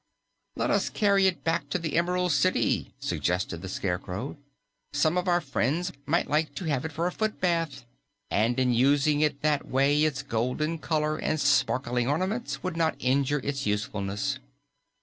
"Let us carry it back to the Emerald City," suggested the Scarecrow. "Some of our friends might like to have it for a foot bath, and in using it that way, its golden color and sparkling ornaments would not injure its usefulness."